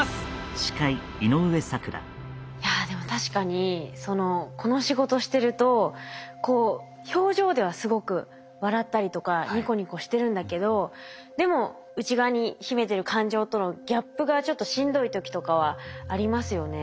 いやでも確かにこの仕事してるとこう表情ではすごく笑ったりとかニコニコしてるんだけどでも内側に秘めてる感情とのギャップがちょっとしんどい時とかはありますよね。